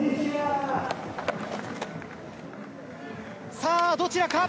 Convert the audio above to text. さあ、どちらか？